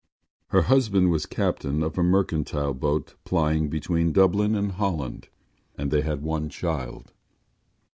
Her husband was captain of a mercantile boat plying between Dublin and Holland; and they had one child.